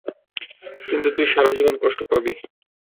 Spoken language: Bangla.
কিন্তু তুই সারাজীবন কষ্ট পাবি।